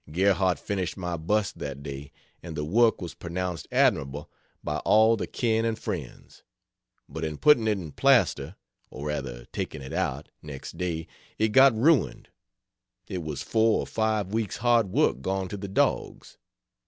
Gerhardt finished my bust that day, and the work was pronounced admirable by all the kin and friends; but in putting it in plaster (or rather taking it out) next day it got ruined. It was four or five weeks hard work gone to the dogs.